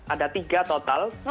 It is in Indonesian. ada tiga total